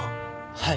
はい。